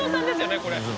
これ。